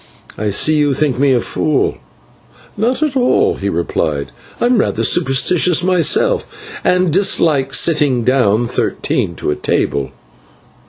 I see you think me a fool." "Not at all," he replied; "I am rather superstitious myself and dislike sitting down thirteen to table."